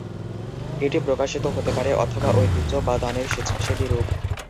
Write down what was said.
এটি প্রত্যাশিত হতে পারে, অথবা ঐতিহ্য বা দানের স্বেচ্ছাসেবী রূপ।